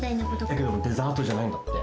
だけどデザートじゃないんだって。